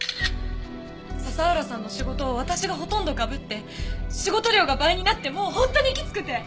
佐々浦さんの仕事を私がほとんどかぶって仕事量が倍になってもう本当にきつくて！